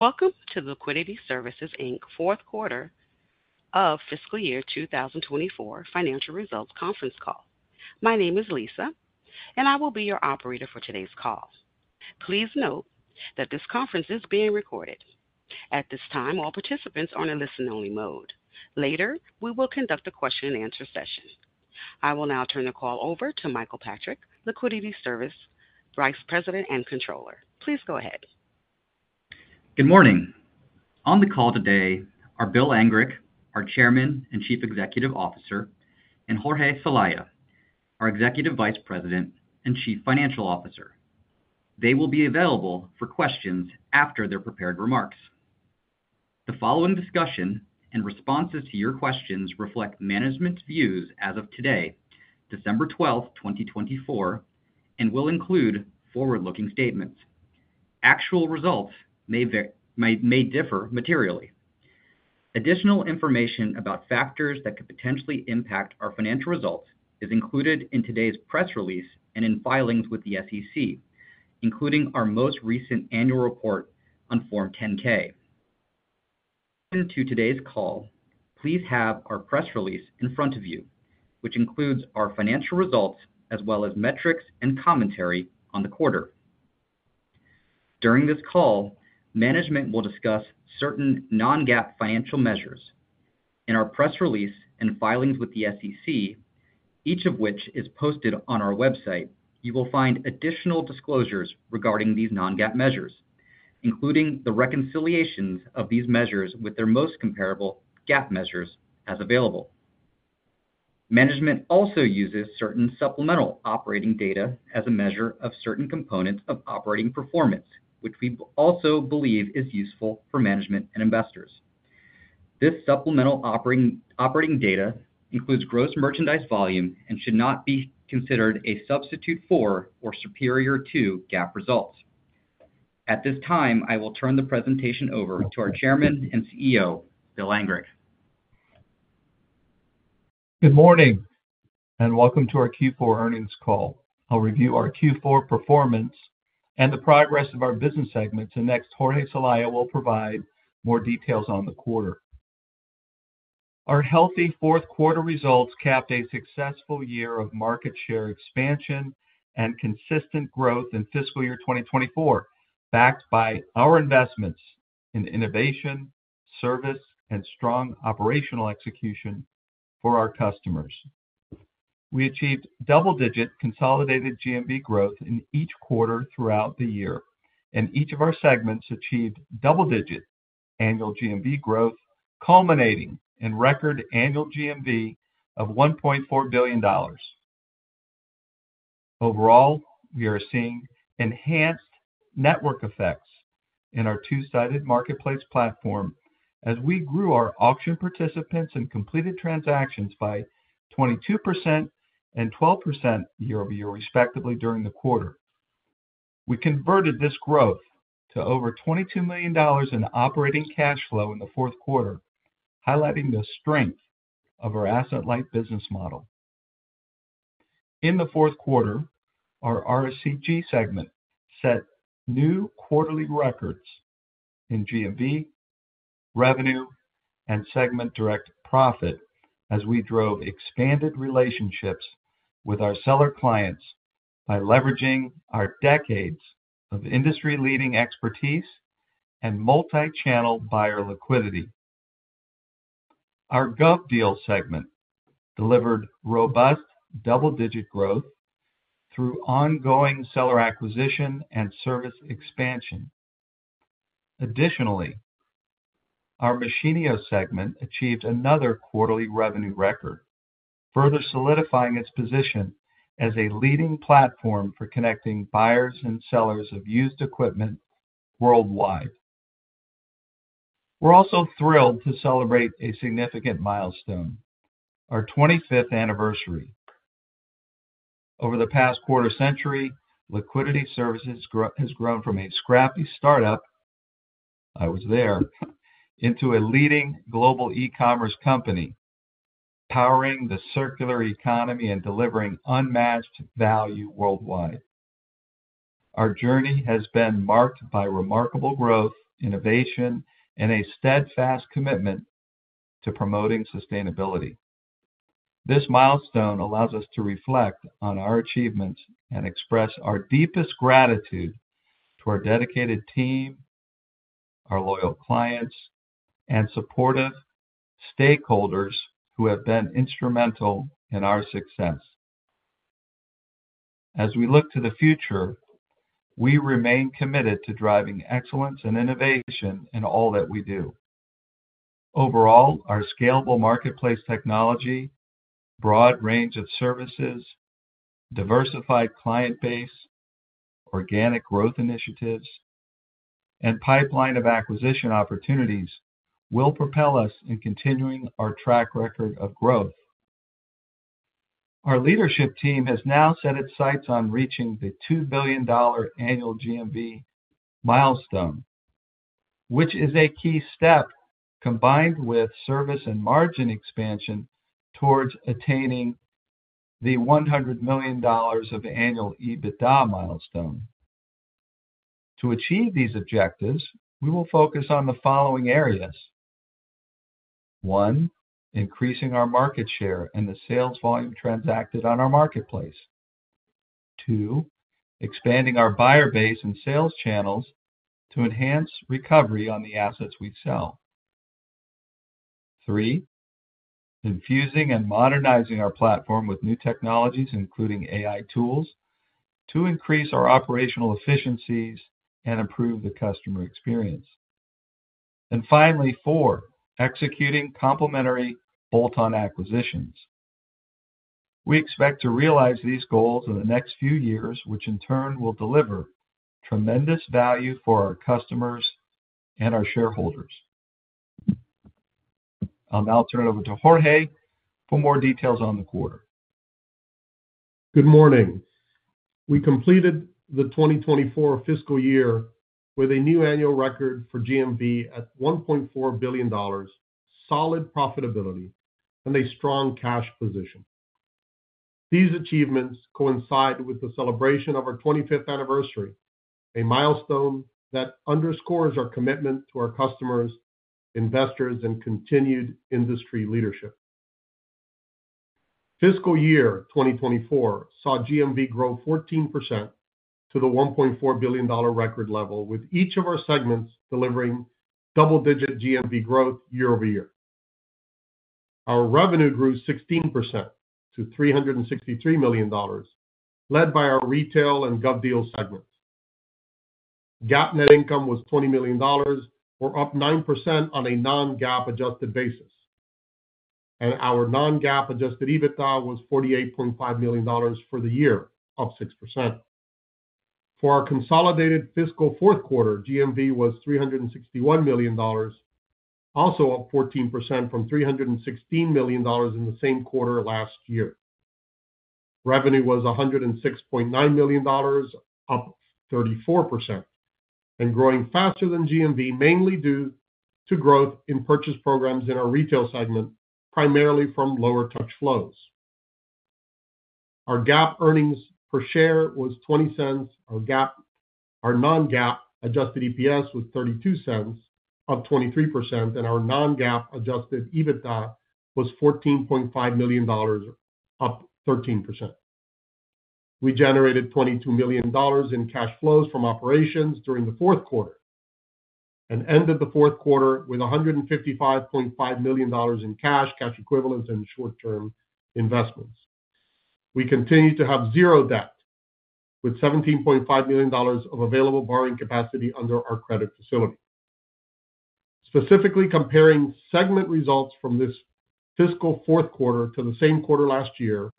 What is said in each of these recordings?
Welcome to Liquidity Services, Inc. Fourth Quarter of Fiscal Year 2024 Financial Results Conference Call. My name is Lisa, and I will be your operator for today's call. Please note that this conference is being recorded. At this time, all participants are in a listen-only mode. Later, we will conduct a question-and-answer session. I will now turn the call over to Michael Patrick, Liquidity Services Vice President and Controller. Please go ahead. Good morning. On the call today are Bill Angrick, our Chairman and Chief Executive Officer, and Jorge Celaya, our Executive Vice President and Chief Financial Officer. They will be available for questions after their prepared remarks. The following discussion and responses to your questions reflect management's views as of today, December 12th, 2024, and will include forward-looking statements. Actual results may differ materially. Additional information about factors that could potentially impact our financial results is included in today's press release and in filings with the SEC, including our most recent annual report on Form 10-K. For today's call, please have our press release in front of you, which includes our financial results as well as metrics and commentary on the quarter. During this call, management will discuss certain non-GAAP financial measures. In our press release and filings with the SEC, each of which is posted on our website, you will find additional disclosures regarding these non-GAAP measures, including the reconciliations of these measures with their most comparable GAAP measures as available. Management also uses certain supplemental operating data as a measure of certain components of operating performance, which we also believe is useful for management and investors. This supplemental operating data includes gross merchandise volume and should not be considered a substitute for or superior to GAAP results. At this time, I will turn the presentation over to our Chairman and CEO, Bill Angrick. Good morning and welcome to our Q4 earnings call. I'll review our Q4 performance and the progress of our business segments, and next, Jorge Celaya will provide more details on the quarter. Our healthy fourth quarter results capped a successful year of market share expansion and consistent growth in fiscal year 2024, backed by our investments in innovation, service, and strong operational execution for our customers. We achieved double-digit consolidated GMV growth in each quarter throughout the year, and each of our segments achieved double-digit annual GMV growth, culminating in record annual GMV of $1.4 billion. Overall, we are seeing enhanced network effects in our two-sided marketplace platform as we grew our auction participants and completed transactions by 22% and 12% year-over-year, respectively, during the quarter. We converted this growth to over $22 million in operating cash flow in the fourth quarter, highlighting the strength of our asset-light business model. In the fourth quarter, our RSCG segment set new quarterly records in GMV, revenue, and segment direct profit as we drove expanded relationships with our seller clients by leveraging our decades of industry-leading expertise and multi-channel buyer liquidity. Our GovDeals segment delivered robust double-digit growth through ongoing seller acquisition and service expansion. Additionally, our Machinio segment achieved another quarterly revenue record, further solidifying its position as a leading platform for connecting buyers and sellers of used equipment worldwide. We're also thrilled to celebrate a significant milestone: our 25th anniversary. Over the past quarter century, Liquidity Services has grown from a scrappy startup, I was there, into a leading global e-commerce company, powering the circular economy and delivering unmatched value worldwide. Our journey has been marked by remarkable growth, innovation, and a steadfast commitment to promoting sustainability. This milestone allows us to reflect on our achievements and express our deepest gratitude to our dedicated team, our loyal clients, and supportive stakeholders who have been instrumental in our success. As we look to the future, we remain committed to driving excellence and innovation in all that we do. Overall, our scalable marketplace technology, broad range of services, diversified client base, organic growth initiatives, and pipeline of acquisition opportunities will propel us in continuing our track record of growth. Our leadership team has now set its sights on reaching the $2 billion annual GMV milestone, which is a key step combined with service and margin expansion towards attaining the $100 million of annual EBITDA milestone. To achieve these objectives, we will focus on the following areas: one, increasing our market share and the sales volume transacted on our marketplace; two, expanding our buyer base and sales channels to enhance recovery on the assets we sell; three, infusing and modernizing our platform with new technologies, including AI tools, to increase our operational efficiencies and improve the customer experience; and finally, four, executing complementary bolt-on acquisitions. We expect to realize these goals in the next few years, which in turn will deliver tremendous value for our customers and our shareholders. I'll now turn it over to Jorge for more details on the quarter. Good morning. We completed the 2024 fiscal year with a new annual record for GMV at $1.4 billion, solid profitability, and a strong cash position. These achievements coincide with the celebration of our 25th anniversary, a milestone that underscores our commitment to our customers, investors, and continued industry leadership. Fiscal year 2024 saw GMV grow 14% to the $1.4 billion record level, with each of our segments delivering double-digit GMV growth year-over-year. Our revenue grew 16% to $363 million, led by our retail and GovDeals segments. GAAP net income was $20 million, or up 9% on a non-GAAP adjusted basis. And our non-GAAP adjusted EBITDA was $48.5 million for the year, up 6%. For our consolidated fiscal fourth quarter, GMV was $361 million, also up 14% from $316 million in the same quarter last year. Revenue was $106.9 million, up 34%, and growing faster than GMV, mainly due to growth in purchase programs in our retail segment, primarily from lower touch flows. Our GAAP earnings per share was $0.20. Our non-GAAP adjusted EPS was $0.32, up 23%, and our non-GAAP adjusted EBITDA was $14.5 million, up 13%. We generated $22 million in cash flows from operations during the fourth quarter and ended the fourth quarter with $155.5 million in cash, cash equivalents, and short-term investments. We continued to have zero debt, with $17.5 million of available borrowing capacity under our credit facility. Specifically, comparing segment results from this fiscal fourth quarter to the same quarter last year,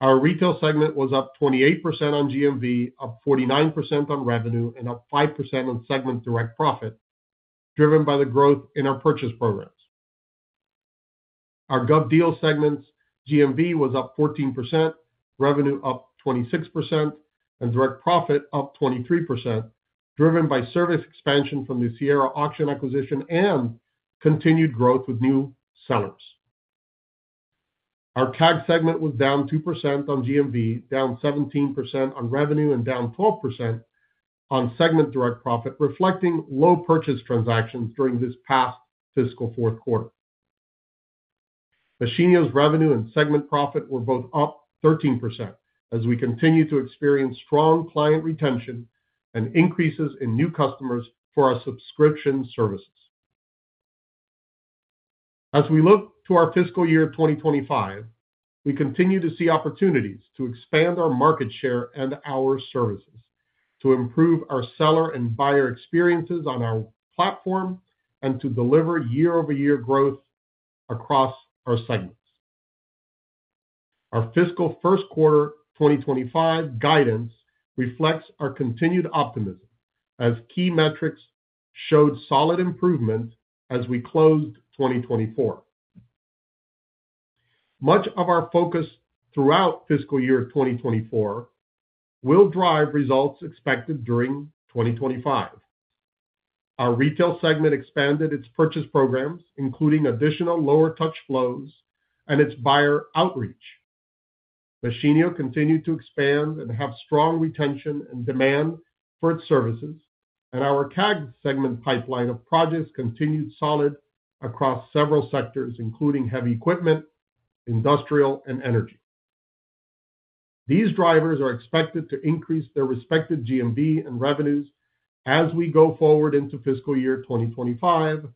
our retail segment was up 28% on GMV, up 49% on revenue, and up 5% on segment direct profit, driven by the growth in our purchase programs. Our GovDeals segment's GMV was up 14%, revenue up 26%, and direct profit up 23%, driven by service expansion from the Sierra Auction acquisition and continued growth with new sellers. Our CAG segment was down 2% on GMV, down 17% on revenue, and down 12% on segment direct profit, reflecting low purchase transactions during this past fiscal fourth quarter. Machinio revenue and segment profit were both up 13% as we continue to experience strong client retention and increases in new customers for our subscription services. As we look to our fiscal year 2025, we continue to see opportunities to expand our market share and our services, to improve our seller and buyer experiences on our platform, and to deliver year-over-year growth across our segments. Our fiscal first quarter 2025 guidance reflects our continued optimism as key metrics showed solid improvement as we closed 2024. Much of our focus throughout fiscal year 2024 will drive results expected during 2025. Our retail segment expanded its purchase programs, including additional lower touch flows and its buyer outreach. Machinio continued to expand and have strong retention and demand for its services, and our CAG segment pipeline of projects continued solid across several sectors, including heavy equipment, industrial, and energy. These drivers are expected to increase their respective GMV and revenues as we go forward into fiscal year 2025,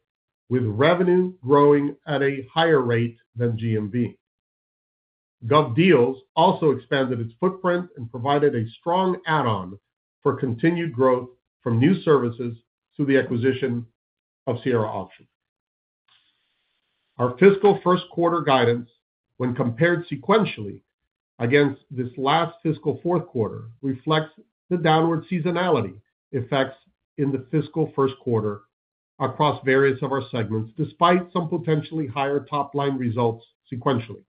with revenue growing at a higher rate than GMV. GovDeals also expanded its footprint and provided a strong add-on for continued growth from new services to the acquisition of Sierra Auction. Our fiscal first quarter guidance, when compared sequentially against this last fiscal fourth quarter, reflects the downward seasonality effects in the fiscal first quarter across various of our segments, despite some potentially higher top-line results sequentially.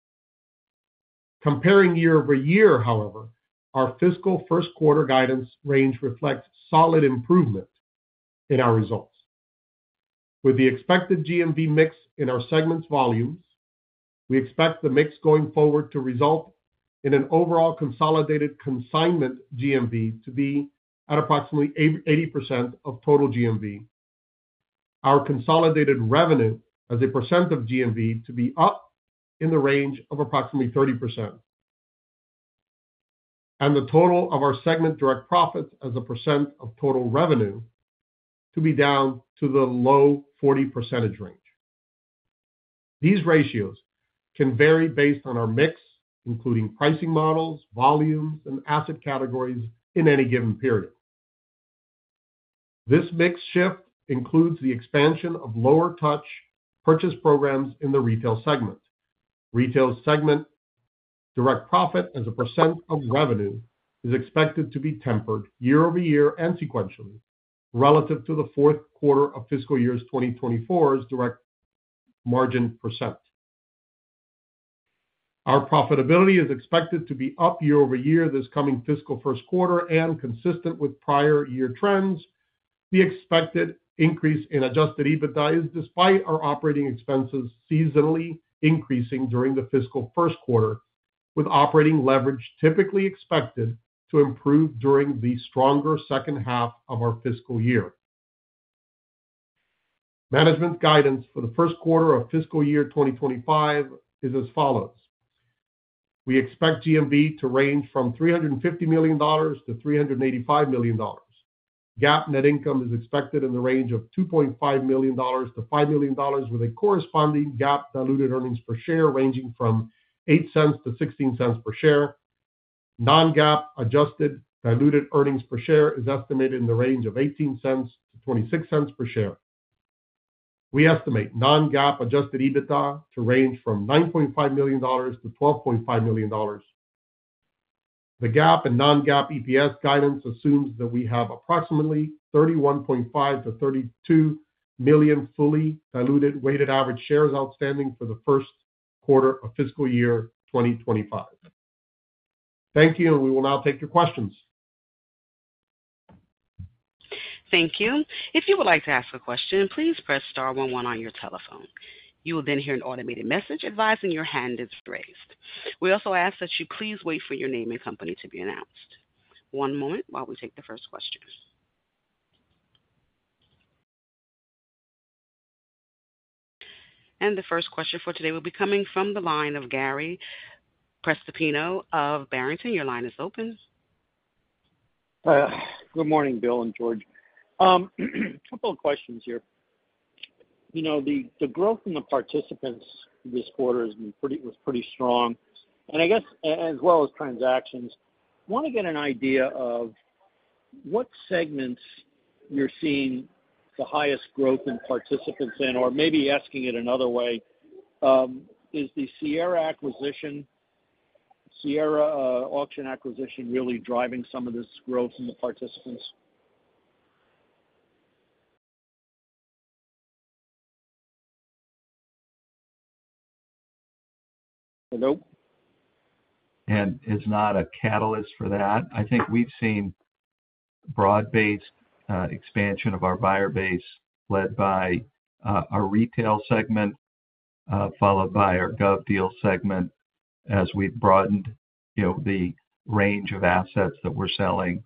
Comparing year-over-year, however, our fiscal first quarter guidance range reflects solid improvement in our results. With the expected GMV mix in our segments' volumes, we expect the mix going forward to result in an overall consolidated consignment GMV to be at approximately 80% of total GMV, our consolidated revenue as a percent of GMV to be up in the range of approximately 30%, and the total of our segment direct profits as a percent of total revenue to be down to the low 40% range. These ratios can vary based on our mix, including pricing models, volumes, and asset categories in any given period. This mix shift includes the expansion of lower touch purchase programs in the retail segment. Retail segment direct profit as a percent of revenue is expected to be tempered year-over-year and sequentially relative to the fourth quarter of fiscal year 2024 direct margin %. Our profitability is expected to be up year-over-year this coming fiscal first quarter and consistent with prior year trends. The expected increase in adjusted EBITDA is despite our operating expenses seasonally increasing during the fiscal first quarter, with operating leverage typically expected to improve during the stronger second half of our fiscal year. Management guidance for the first quarter of fiscal year 2025 is as follows. We expect GMV to range from $350 million-$385 million. GAAP net income is expected in the range of $2.5 million-$5 million, with a corresponding GAAP diluted earnings per share ranging from $0.08-$0.16 per share. Non-GAAP adjusted diluted earnings per share is estimated in the range of $0.18-$0.26 per share. We estimate non-GAAP adjusted EBITDA to range from $9.5 million-$12.5 million. The GAAP and non-GAAP EPS guidance assumes that we have approximately 31.5-32 million fully diluted weighted average shares outstanding for the first quarter of fiscal year 2025. Thank you, and we will now take your questions. Thank you. If you would like to ask a question, please press star 1 1 on your telephone. You will then hear an automated message advising your hand is raised. We also ask that you please wait for your name and company to be announced. One moment while we take the first question, and the first question for today will be coming from the line of Gary Prestopino of Barrington. Your line is open. Good morning, Bill and Jorge. A couple of questions here. You know, the growth in the participants this quarter has been pretty strong. And I guess, as well as transactions, I want to get an idea of what segments you're seeing the highest growth in participants in, or maybe asking it another way. Is the Sierra acquisition, Sierra Auction acquisition, really driving some of this growth in the participants? Hello? It's not a catalyst for that. I think we've seen broad-based expansion of our buyer base led by our retail segment, followed by our GovDeals segment as we've broadened the range of assets that we're selling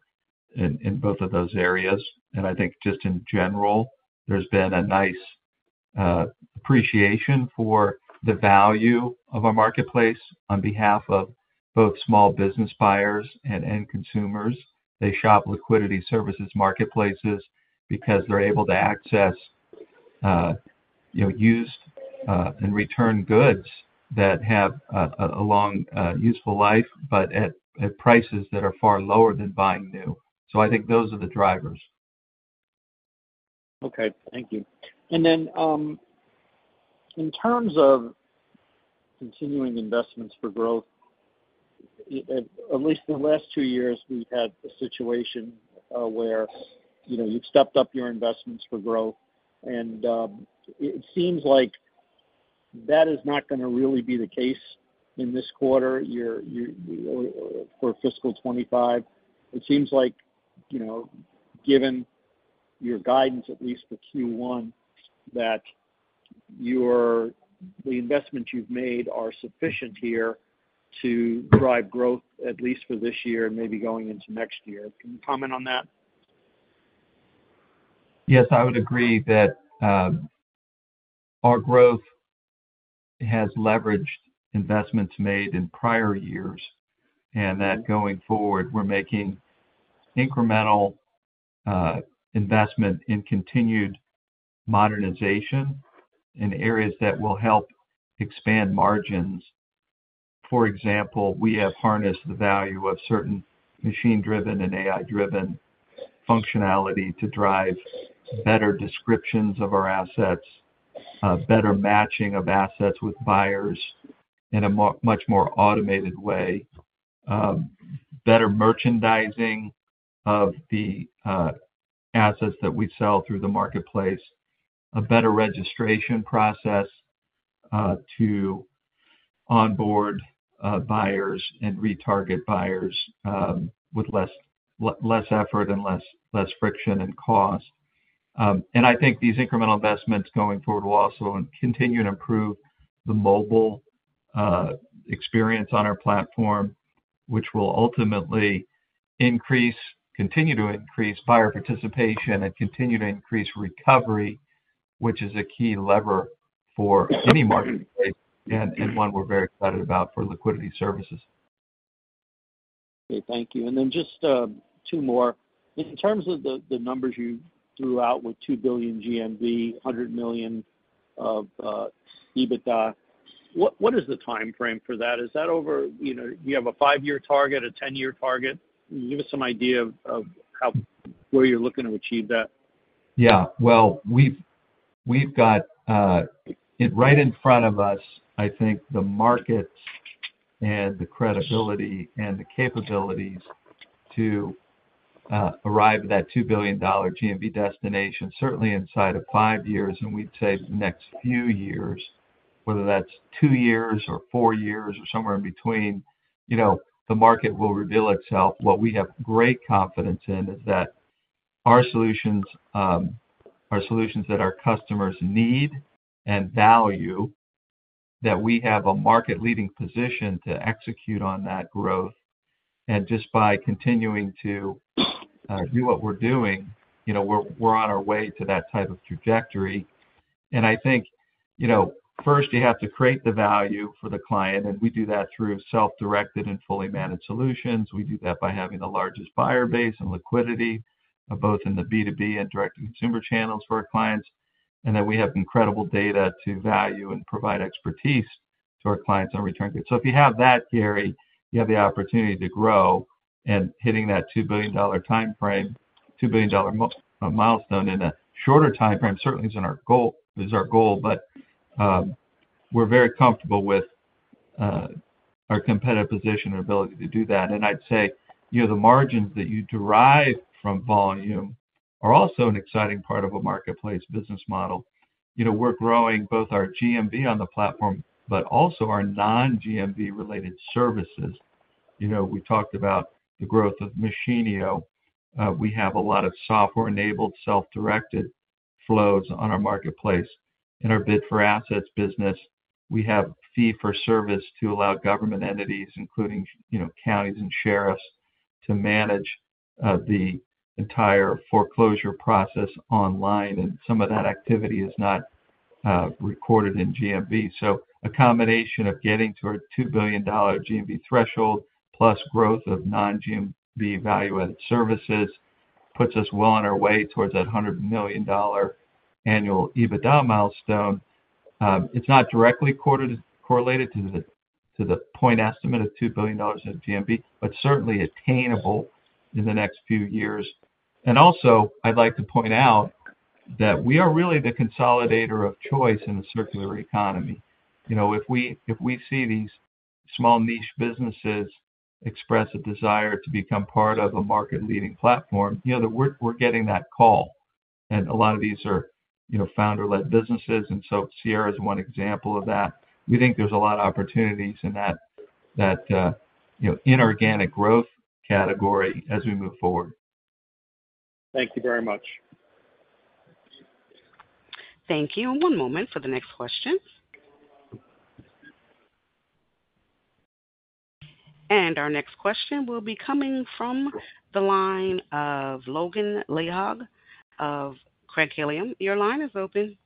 in both of those areas. I think just in general, there's been a nice appreciation for the value of our marketplace on behalf of both small business buyers and end consumers. They shop Liquidity Services marketplaces because they're able to access used and returned goods that have a long useful life, but at prices that are far lower than buying new. I think those are the drivers. Okay. Thank you. And then in terms of continuing investments for growth, at least the last two years, we've had a situation where you've stepped up your investments for growth. And it seems like that is not going to really be the case in this quarter for fiscal 2025. It seems like, given your guidance, at least for Q1, that the investments you've made are sufficient here to drive growth, at least for this year and maybe going into next year. Can you comment on that? Yes, I would agree that our growth has leveraged investments made in prior years and that going forward, we're making incremental investment in continued modernization in areas that will help expand margins. For example, we have harnessed the value of certain machine-driven and AI-driven functionality to drive better descriptions of our assets, better matching of assets with buyers in a much more automated way, better merchandising of the assets that we sell through the marketplace, a better registration process to onboard buyers and retarget buyers with less effort and less friction and cost, and I think these incremental investments going forward will also continue to improve the mobile experience on our platform, which will ultimately increase, continue to increase buyer participation and continue to increase recovery, which is a key lever for any marketplace and one we're very excited about for Liquidity Services. Okay. Thank you. And then just two more. In terms of the numbers you threw out with two billion GMV, 100 million of EBITDA, what is the timeframe for that? Is that over, you have a five-year target, a 10-year target? Give us some idea of where you're looking to achieve that. Yeah. Well, we've got it right in front of us, I think, the markets and the credibility and the capabilities to arrive at that $2 billion GMV destination, certainly inside of five years. And we'd say the next few years, whether that's two years or four years or somewhere in between, the market will reveal itself. What we have great confidence in is that our solutions that our customers need and value, that we have a market-leading position to execute on that growth. And just by continuing to do what we're doing, we're on our way to that type of trajectory. And I think, first, you have to create the value for the client. And we do that through self-directed and fully managed solutions. We do that by having the largest buyer base and liquidity both in the B2B and direct-to-consumer channels for our clients. And then we have incredible data to value and provide expertise to our clients on return goods. So if you have that, Gary, you have the opportunity to grow and hitting that $2 billion timeframe, $2 billion milestone in a shorter timeframe certainly isn't our goal. But we're very comfortable with our competitive position and ability to do that. And I'd say the margins that you derive from volume are also an exciting part of a marketplace business model. We're growing both our GMV on the platform, but also our non-GMV related services. We talked about the growth of Machinio. We have a lot of software-enabled self-directed flows on our marketplace in our bid for assets business. We have fee-for-service to allow government entities, including counties and sheriffs, to manage the entire foreclosure process online. And some of that activity is not recorded in GMV. So a combination of getting to our $2 billion GMV threshold plus growth of non-GMV value-added services puts us well on our way towards that $100 million annual EBITDA milestone. It's not directly correlated to the point estimate of $2 billion in GMV, but certainly attainable in the next few years. And also, I'd like to point out that we are really the consolidator of choice in the circular economy. If we see these small niche businesses express a desire to become part of a market-leading platform, we're getting that call. And a lot of these are founder-led businesses. And so Sierra is one example of that. We think there's a lot of opportunities in that inorganic growth category as we move forward. Thank you very much. Thank you. One moment for the next question. Our next question will be coming from the line of Logan Lillehaug of Craig-Hallum. Your line is open.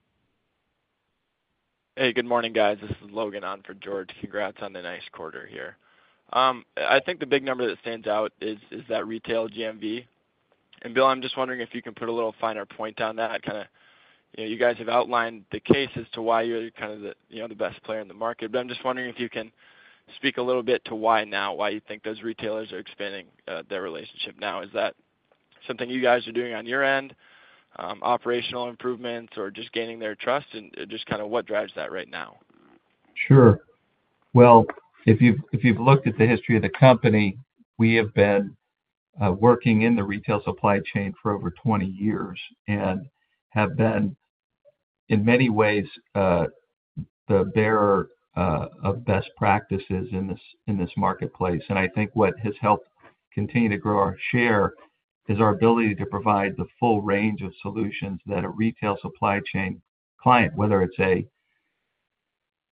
Hey, good morning, guys. This is Logan on for Jorge. Congrats on the nice quarter here. I think the big number that stands out is that retail GMV. And Bill, I'm just wondering if you can put a little finer point on that. Kind of you guys have outlined the case as to why you're kind of the best player in the market. But I'm just wondering if you can speak a little bit to why now, why you think those retailers are expanding their relationship now. Is that something you guys are doing on your end, operational improvements, or just gaining their trust? And just kind of what drives that right now? Sure. Well, if you've looked at the history of the company, we have been working in the retail supply chain for over 20 years and have been, in many ways, the bearer of best practices in this marketplace. I think what has helped continue to grow our share is our ability to provide the full range of solutions that a retail supply chain client, whether it's a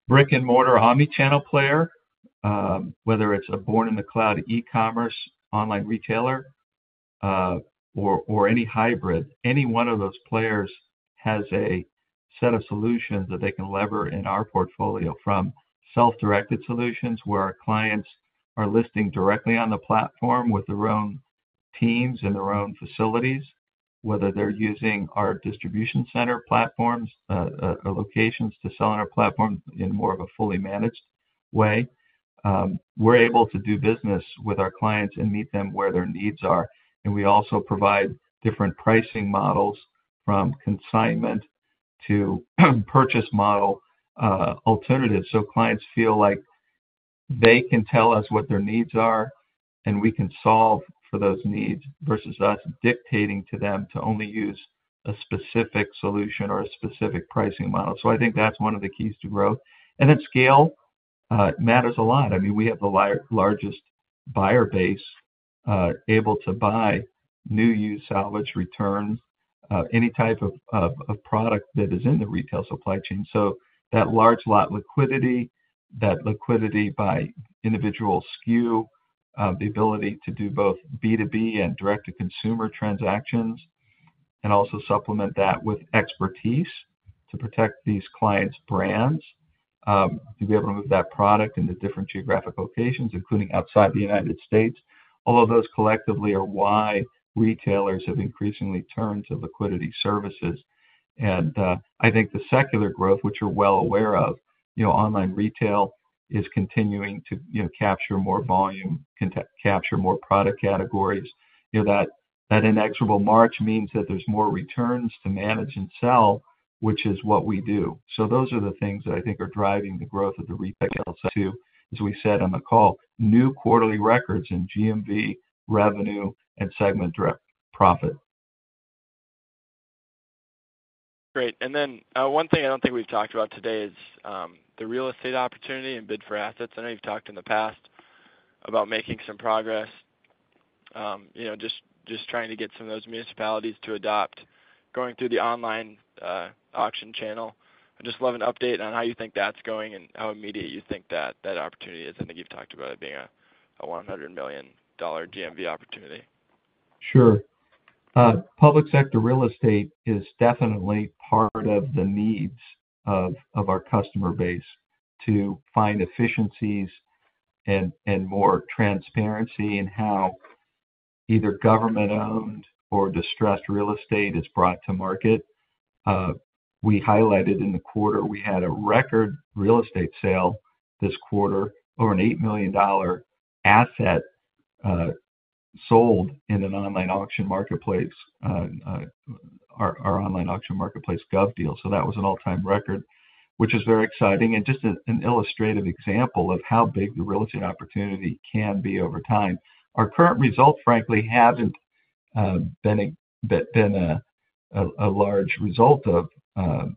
brick-and-mortar omnichannel player, whether it's a born-in-the-cloud e-commerce online retailer, or any hybrid, any one of those players has a set of solutions that they can leverage in our portfolio from self-directed solutions where our clients are listing directly on the platform with their own teams and their own facilities, whether they're using our distribution center platforms or locations to sell on our platform in more of a fully managed way. We're able to do business with our clients and meet them where their needs are. And we also provide different pricing models from consignment to purchase model alternatives. So clients feel like they can tell us what their needs are, and we can solve for those needs versus us dictating to them to only use a specific solution or a specific pricing model. So I think that's one of the keys to growth. And then scale matters a lot. I mean, we have the largest buyer base able to buy new, used salvage returns, any type of product that is in the retail supply chain. So that large lot liquidity, that liquidity by individual SKU, the ability to do both B2B and direct-to-consumer transactions, and also supplement that with expertise to protect these clients' brands, to be able to move that product into different geographic locations, including outside the United States. All of those collectively are why retailers have increasingly turned to Liquidity Services. And I think the secular growth, which we're well aware of, online retail is continuing to capture more volume, capture more product categories. That inexorable march means that there's more returns to manage and sell, which is what we do. So those are the things that I think are driving the growth of the retail sector to, as we said on the call, new quarterly records in GMV revenue and segment profit. Great. And then one thing I don't think we've talked about today is the real estate opportunity and Bid4Assets. I know you've talked in the past about making some progress, just trying to get some of those municipalities to adopt going through the online auction channel. I just love an update on how you think that's going and how immediate you think that opportunity is. I think you've talked about it being a $100 million GMV opportunity. Sure. Public sector real estate is definitely part of the needs of our customer base to find efficiencies and more transparency in how either government-owned or distressed real estate is brought to market. We highlighted in the quarter we had a record real estate sale this quarter, over an $8 million asset sold in an online auction marketplace, our online auction marketplace, GovDeals. So that was an all-time record, which is very exciting and just an illustrative example of how big the real estate opportunity can be over time. Our current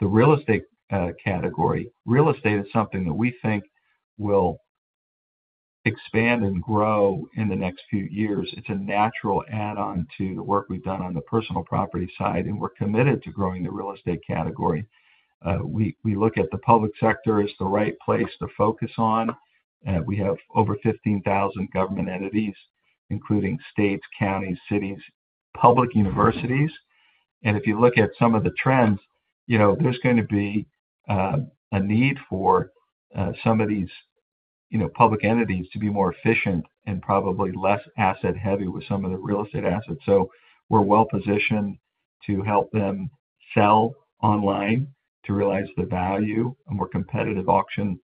result, frankly, hasn't been a large result of the real estate category. Real estate is something that we think will expand and grow in the next few years. It's a natural add-on to the work we've done on the personal property side. And we're committed to growing the real estate category. We look at the public sector as the right place to focus on. We have over 15,000 government entities, including states, counties, cities, public universities, and if you look at some of the trends, there's going to be a need for some of these public entities to be more efficient and probably less asset-heavy with some of the real estate assets, so we're well positioned to help them sell online to realize the value, a more competitive auction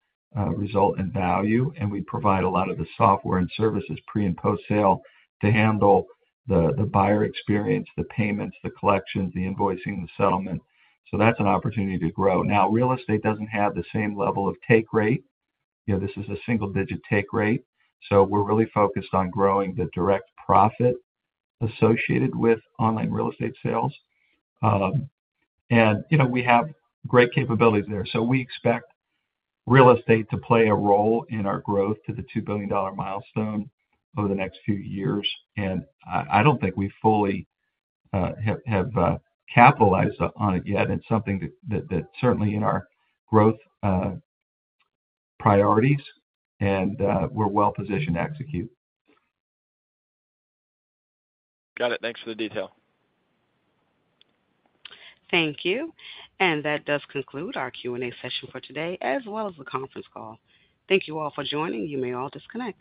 result and value, and we provide a lot of the software and services pre and post-sale to handle the buyer experience, the payments, the collections, the invoicing, the settlement, so that's an opportunity to grow. Now, real estate doesn't have the same level of take rate. This is a single-digit take rate, so we're really focused on growing the direct profit associated with online real estate sales. And we have great capabilities there. So we expect real estate to play a role in our growth to the $2 billion milestone over the next few years. And I don't think we fully have capitalized on it yet. It's something that's certainly in our growth priorities, and we're well positioned to execute. Got it. Thanks for the detail. Thank you. And that does conclude our Q&A session for today as well as the conference call. Thank you all for joining. You may all disconnect.